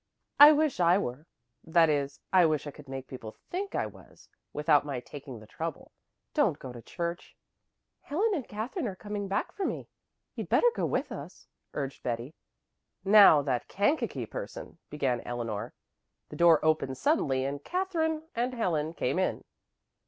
"I wish I were. That is, I wish I could make people think I was, without my taking the trouble. Don't go to church." "Helen and Katherine are coming back for me. You'd better go with us," urged Betty. "Now that Kankakee person " began Eleanor. The door opened suddenly and Katherine and Helen came in.